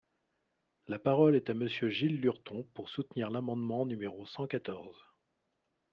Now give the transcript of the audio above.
La parole est à Monsieur Gilles Lurton, pour soutenir l’amendement numéro cent quatorze.